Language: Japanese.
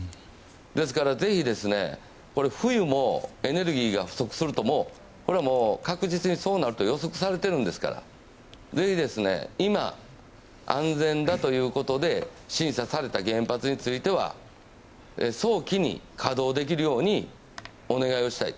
ですから、ぜひ冬もエネルギーが不足するとこれはもう確実にそうなると予測されているんですからぜひ今、安全だということで審査された原発については早期に稼働できるようにお願いしたい。